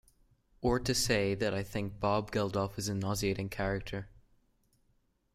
Or to say that I think Bob Geldof is a nauseating character.